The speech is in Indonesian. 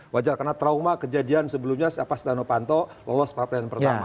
wajar karena trauma kejadian sebelumnya setelah novanto lolos perapradilan pertama